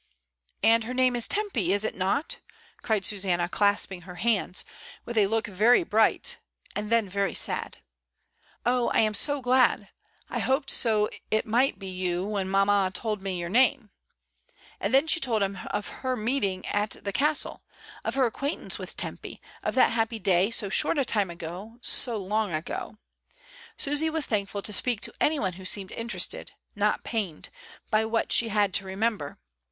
"And her name is Tempy, is it not?" cried Susanna, clasping her hands, with a look very bright and then very Stad. "Oh, I am so glad. I hoped so it might be you when mamma told me your name." And then she told him of her meeting at the Castle — of her acquaintance with Tempy — of that happy day, so short a time ago, so long ago. Susy was thankful to speak to any one who seemed interested, not pained, by what she had to remem ber.